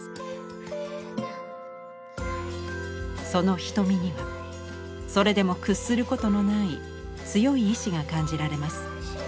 その瞳にはそれでも屈することのない強い意志が感じられます。